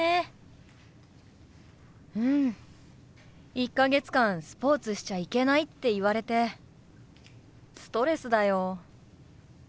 １か月間スポーツしちゃいけないって言われてストレスだよ。